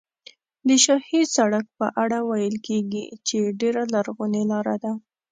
د شاهي سړک په اړه ویل کېږي چې ډېره لرغونې لاره ده.